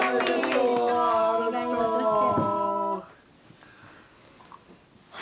お願いごとして。